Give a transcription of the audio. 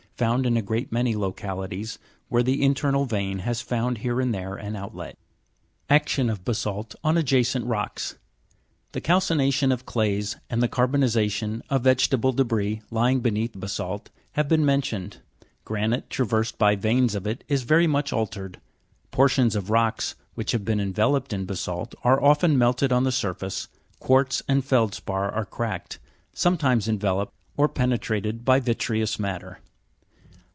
found in a great many localities where the internal vein has found here and there an outlet. 9. diction of basa'lt on adjacent rocks. The calcination of clays, and the carbonisation of vegetable debris lying beneath ba sa'lt, have been mentioned ; granite traversed by veins of it is very much altered, portions of rocks which have been enveloped in 8. Mow are isolated hillocks of basa'lt accounted for ? IS 170 ACTION OF BASA'LT ON ADJACENT ROCKS. basa'lt are often melted on the surface, quartz and feldspar are cracked, sometimes enveloped or penetrated by vitreous matter.